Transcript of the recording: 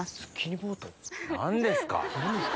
何ですか？